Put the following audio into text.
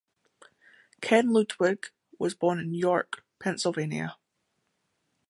Ken Ludwig was born in York, Pennsylvania.